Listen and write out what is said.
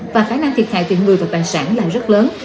và khả năng thiệt hại về người và tài sản là rất lớn